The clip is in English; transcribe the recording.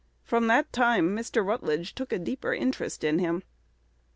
From that time Mr. Rutledge took a deeper interest in him.